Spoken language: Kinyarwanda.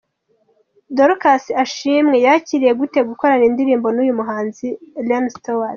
Dorcas Ashimwe yakiriye gute gukorana indirimbo n’uyu muhanzi Iain Stewart ?.